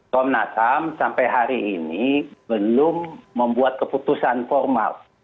komnas ham sampai hari ini belum membuat keputusan formal